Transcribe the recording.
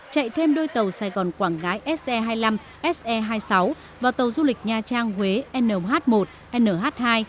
chạy thêm đôi tàu sài gòn quảng ngãi se hai mươi năm se hai mươi sáu và tàu du lịch nha trang huế nh một nh hai